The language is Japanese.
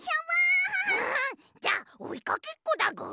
じゃあおいかけっこだぐ。